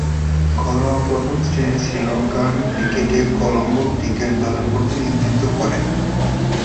ঘরোয়া প্রথম-শ্রেণীর শ্রীলঙ্কান ক্রিকেটে কলম্বো ক্রিকেট দলের প্রতিনিধিত্ব করেন।